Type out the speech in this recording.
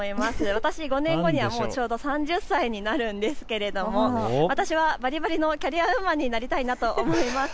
私、５年後にはちょうど３０歳になるんですけれども、私は、ばりばりのキャリアウーマンになりたいなと思います。